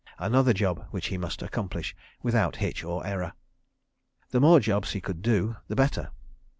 Another job which he must accomplish without hitch or error. The more jobs he could do, the better.